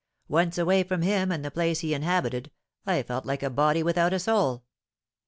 Once away from him and the place he inhabited, I felt like a body without a soul.